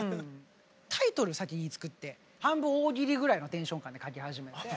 タイトル先に作って半分大喜利ぐらいのテンション感で書き始めて。